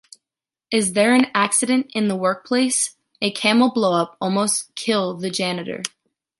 Is there an accident in the workplace? A camel blow up almost kill the janitor.